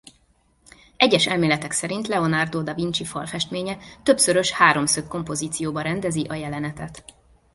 Egyes elméletek szerint Leonardo da Vinci falfestménye többszörös háromszög-kompozícióba rendezi a jelenetet.